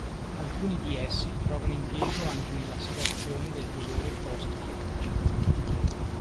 Alcuni di essi trovano impiego anche nella sedazione del dolore post-chirurgico.